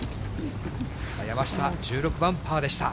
山下、１６番パーでした。